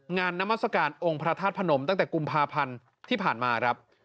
นามัศกาลองค์พระธาตุพนมตั้งแต่กุมภาพันธ์ที่ผ่านมาครับ